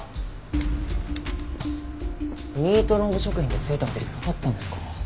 ミートノーブ食品で付いたわけじゃなかったんですか。